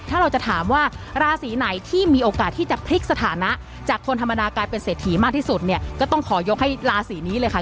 ถ้าเราจะถามว่าราศีไหนที่มีโอกาสที่จะพลิกสถานะจากคนธรรมดากลายเป็นเศรษฐีมากที่สุดเนี่ยก็ต้องขอยกให้ราศีนี้เลยค่ะ